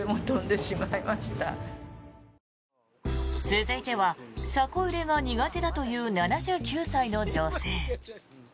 続いては車庫入れが苦手だという７９歳の女性。